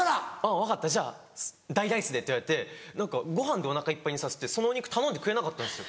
「分かったじゃ大ライスで」ってご飯でお腹いっぱいにさせてそのお肉頼んでくれなかったんですよ。